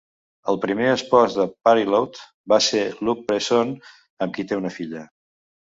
El primer espòs de Parillaud va ser Luc Besson, amb qui té una filla.